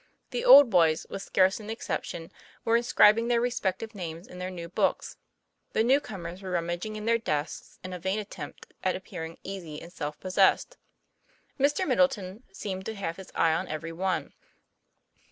The old boys, with scarce an exception, were inscribing their respective names in their new books, the new comers were rummaging in their desks TOM PLAYFAIR. 61 in a vain attempt at appearing easy and self possessed. Mr. Middleton seemed to have his eyes on every one.